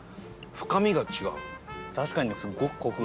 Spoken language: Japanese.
深みが違う。